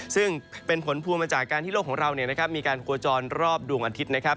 ซึ่งเป็นผลพวงมาจากการที่โลกของเรามีการโคจรรอบดวงอาทิตย์นะครับ